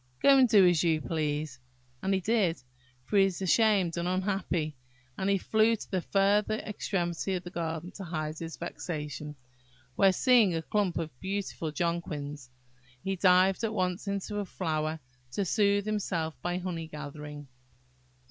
Go and do as you please yourself!" And he did; for he was ashamed and unhappy; and he flew to the further extremity of the garden to hide his vexation; where, seeing a clump of beautiful jonquils, he dived at once into a flower to soothe himself by honey gathering.